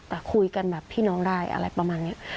แต่คุยกันแบบพี่น้องได้อะไรประมาณนี้